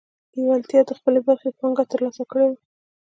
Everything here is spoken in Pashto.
لېوالتیا د خپلې برخې پانګه ترلاسه کړې وه